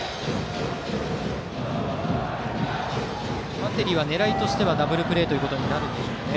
バッテリーは狙いとしてはダブルプレーになるんでしょうね。